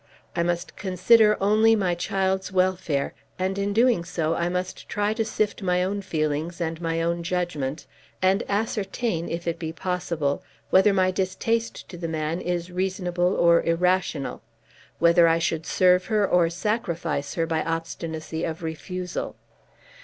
I must consider only my child's welfare; and in doing so I must try to sift my own feelings and my own judgment, and ascertain, if it be possible, whether my distaste to the man is reasonable or irrational; whether I should serve her or sacrifice her by obstinacy of refusal.